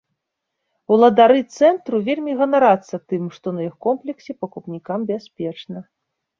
Уладары цэнтру вельмі ганарацца тым, што на іх комплексе пакупнікам бяспечна.